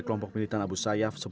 kelompok militan abu sayyaf